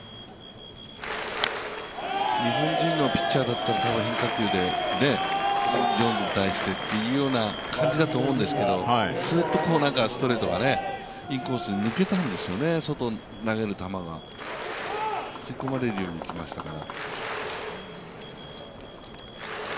日本人のピッチャーだったら、たぶん変化球でジョーンズに対してという感じだと思うんですけど、すーっとストレートがインコースに抜けたんですよね、外に投げる球が、吸い込まれるようにいきましたから。